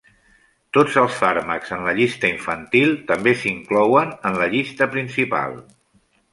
Tots els fàrmacs en la llista infantil també s'inclouen en la llista principal.